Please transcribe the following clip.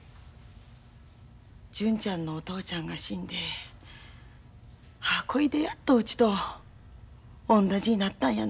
純ちゃんのお父ちゃんが死んでああこいでやっとうちと同じになったんやなて思て。